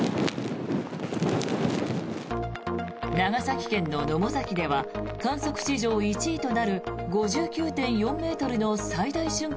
長崎県の野母崎では観測史上１位となる５９．４ｍの最大瞬間